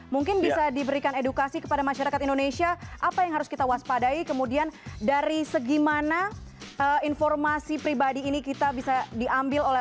mungkin bisa diberikan edukasi kepada masyarakat indonesia apa yang harus kita waspadai kemudian dari segimana informasi pribadi ini kita bisa diambil oleh